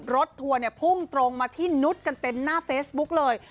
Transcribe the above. ทัวร์เนี่ยพุ่งตรงมาที่นุษย์กันเต็มหน้าเฟซบุ๊กเลย